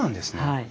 はい。